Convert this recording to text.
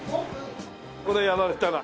これはやられたな。